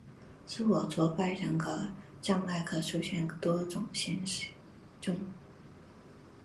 自我挫败人格障碍可出现在多种情形中。